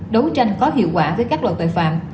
đấu tranh có hiệu quả với các loại tội phạm